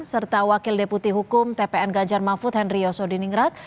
serta wakil deputi hukum tpn ganjar mahfud henry yosodiningrat